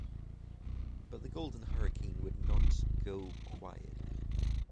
But the Golden Hurricane would not go quietly.